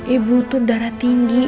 ibu tuh darah tinggi